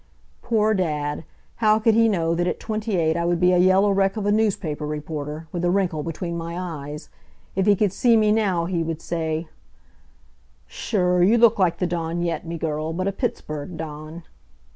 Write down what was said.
Poor Dad! How could he know that at twenty eight I would be a yellow wreck of a newspaper reporter with a wrinkle between my eyes. If he could see me now he would say: "Sure, you look like the dawn yet, me girl but a Pittsburgh dawn."